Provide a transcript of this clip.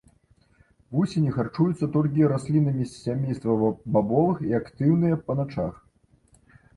Вусені харчуюцца толькі раслінамі з сямейства бабовых і актыўныя па начах.